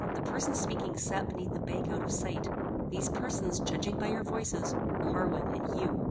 The persons speaking sat beneath the bank out of sight. These persons, judging by their voices, were Carwin and you.